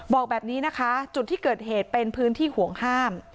บอกแบบนี้นะคะจุดที่เกิดเหตุเป็นพื้นที่ห่วงห้าม